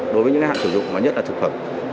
đối với những hạn sử dụng nhất là thực phẩm